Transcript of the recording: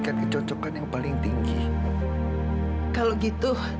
kamu harus tetap semangat